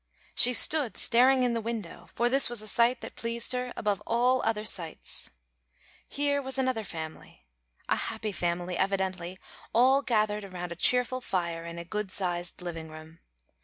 She stood staring in the window, for this was a sight that pleased her above all other sights. Here was another family, a happy family, evidently, all gathered around a cheerful fire in a good sized living room.